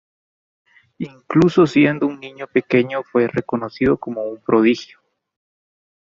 Incluso siendo un niño pequeño, fue reconocido como un prodigio.